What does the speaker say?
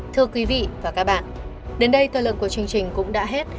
thưa quý vị và các bạn đến đây thời lượng của chương trình cũng đã hết